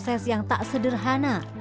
proses yang tak sederhana